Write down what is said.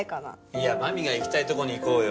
いや真美が行きたいとこに行こうよ。